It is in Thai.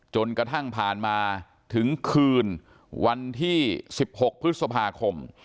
จนกระทั่งผ่านมาถึงคืนวันที่๑๖พฤษภาคม